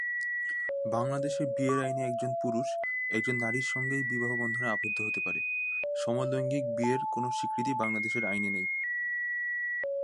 বাংলাদেশের বিয়ের আইনে একজন পুরুষ একজন নারীর সঙ্গেই বিবাহবন্ধনে আবদ্ধ হতে পারে, সমলৈঙ্গিক বিয়ের কোনো স্বীকৃতি বাংলাদেশের আইনে নেই।